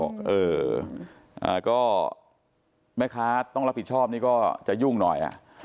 เออก็แม่ค้าต้องรับผิดชอบนี่ก็จะยุ่งหน่อย